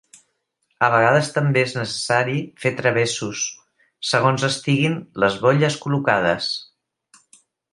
A vegades també és necessari fer travessos, segons estiguin les bolles col·locades.